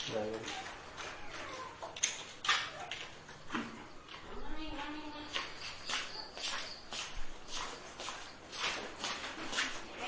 หิ้ม